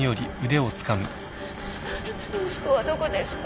息子はどこですか？